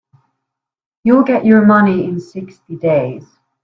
You'll get your money in sixty days.